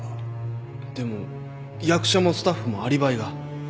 でも役者もスタッフもアリバイが。